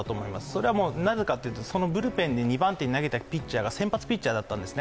それはもうなぜかというとブルペンに２番手に投げたピッチャーが、先発ピッチャーだったんです。